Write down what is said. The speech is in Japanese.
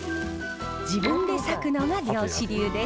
自分で裂くのが漁師流です。